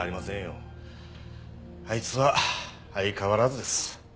あいつは相変わらずです。